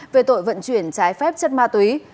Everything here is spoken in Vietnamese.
về tội vận chuyển trái phép chất ma túy